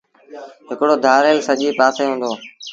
هڪڙو ڌآڙيل سڄي پآسي هُݩدو